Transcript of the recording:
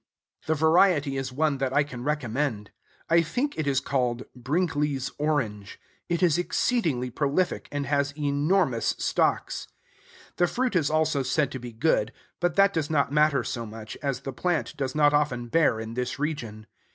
The variety is one that I can recommend. I think it is called Brinckley's Orange. It is exceedingly prolific, and has enormous stalks. The fruit is also said to be good; but that does not matter so much, as the plant does not often bear in this region.